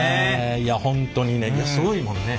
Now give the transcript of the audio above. いや本当にねすごいもんね。